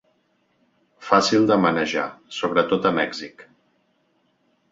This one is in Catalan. Fàcil de manejar, sobretot a Mèxic.